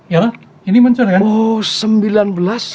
ya lah ini muncul kan